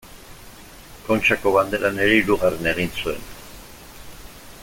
Kontxako banderan ere hirugarren egin zuen.